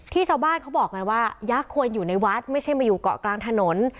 ชาวบ้านเขาบอกไงว่ายักษ์ควรอยู่ในวัดไม่ใช่มาอยู่เกาะกลางถนน